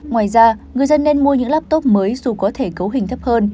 ngoài ra người dân nên mua những laptop mới dù có thể cấu hình thấp hơn